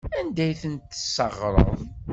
Anda ay ten-tesseɣreḍ?